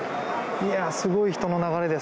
すごい人の流れです。